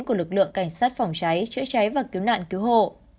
của lực lượng cảnh sát phòng cháy chữa cháy và cứu nạn cứu hộ